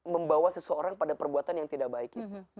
membawa seseorang pada perbuatan yang tidak baik